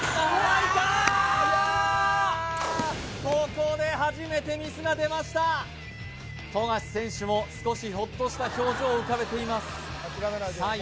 ここで初めてミスが出ました富樫選手も少しホッとした表情を浮かべていますさあ